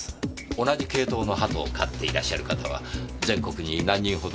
同じ系統の鳩を飼っていらっしゃる方は全国に何人ほど？